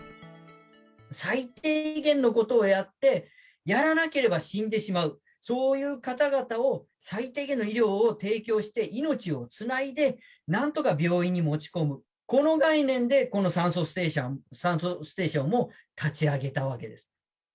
最低限のことをやって、やらなければ死んでしまう、そういう方々を最低限の医療を提供して、命をつないで、なんとか病院に持ち込む、この概念でこの酸素ステーションを立ち上げたわけです。